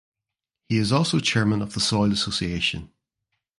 He is also chairman of the Soil Association.